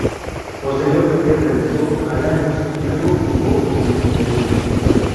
Posteriormente, regresó a Lanús y luego jugó en Independiente.